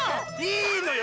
いいのよ